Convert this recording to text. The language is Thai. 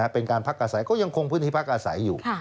เป็นการพักอาศัยก็ยังคงพื้นที่พักอาศัยอยู่